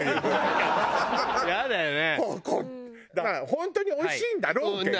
本当においしいんだろうけど。